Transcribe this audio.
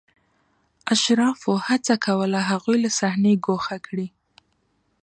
اشرافو هڅه کوله هغوی له صحنې ګوښه کړي.